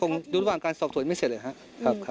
อยู่ระหว่างการสอบสวนไม่เสร็จเลยครับ